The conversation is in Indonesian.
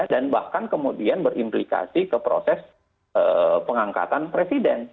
dan bahkan kemudian berimplikasi ke proses pengangkatan presiden